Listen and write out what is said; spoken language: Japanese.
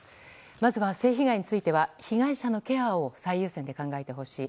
まずは性被害については被害者のケアを最優先に考えてほしい。